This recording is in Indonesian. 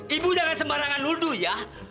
ibu jangan sembarangan nuduh ya